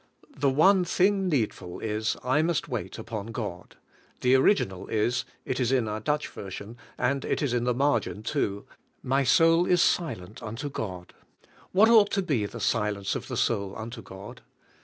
The one thing needful is: I must wait upon God. The original is, — it is in our Dutch version, and it is in the margin, too, — "My soul is silent IVAIT/NG GN GOD 4Ji into God.'' What ought to be the silence of the soul unto God?